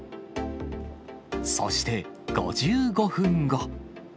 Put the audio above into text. そして、５５分後。